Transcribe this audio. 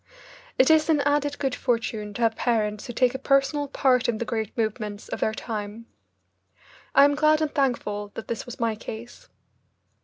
It is an added good fortune to have parents who take a personal part in the great movements of their time. I am glad and thankful that this was my case.